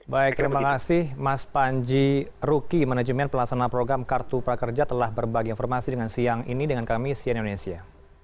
baik terima kasih mas panji ruki manajemen pelasana program kartu prakerja telah berbagi informasi dengan siang ini dengan kami sian indonesia